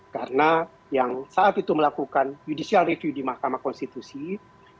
karena yang saat itu melakukan judicial review di mahkamah konsulat